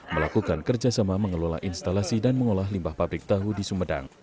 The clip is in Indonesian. melakukan kerjasama mengelola instalasi dan mengolah limbah pabrik tahu di sumedang